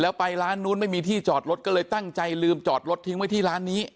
แล้วไปร้านนู้นไม่มีที่จอดรถก็เลยตั้งใจลืมจอดรถทิ้งไว้ที่ร้านนี้